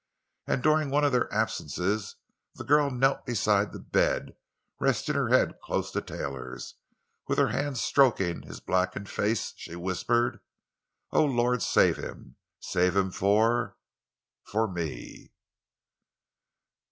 And during one of their absences the girl knelt beside the bed, and resting her head close to Taylor's—with her hands stroking his blackened face—she whispered: "O Lord, save him—save him for—for me!"